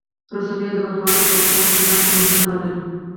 رسنیو او د مطبوعاتو کارکوونکو هم ناسته مهمه نه بلله